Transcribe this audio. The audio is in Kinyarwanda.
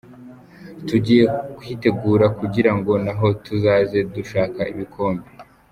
Tugiye kwitegura kugira ngo naho tuzaze dushaka ibikombe.